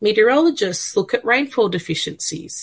meteorologi melihat kekurangan hujan